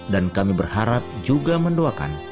dan kami berharap juga mendoakan